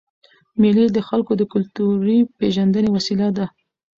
مېلې د خلکو د کلتوري پېژندني وسیله ده.